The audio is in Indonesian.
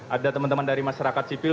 ada teman teman dari masyarakat sipil